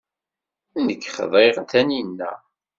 Nekk xḍiɣ Taninna.